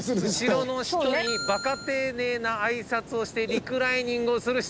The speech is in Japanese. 後ろの人にバカ丁寧なあいさつをしてリクライニングをする人。